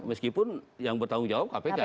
meskipun yang bertanggung jawab kpk